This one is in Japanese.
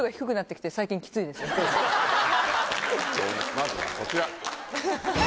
まずはこちら。